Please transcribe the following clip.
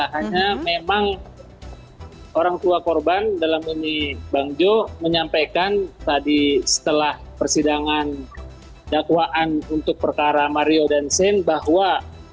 hanya memang orang tua korban dalam ini bang jo menyampaikan tadi setelah persidangan dakwaan untuk perkara mario dan sen bahwa